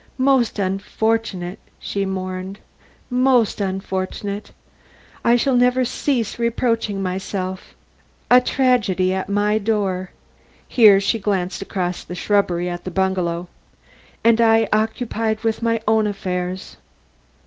Most unfortunate!" she mourned, "most unfortunate! I shall never cease reproaching myself. A tragedy at my door" here she glanced across the shrubbery at the bungalow "and I occupied with my own affairs!"